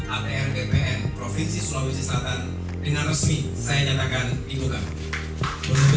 atm bpn provinsi sulawesi selatan dengan resmi saya nyatakan dibuka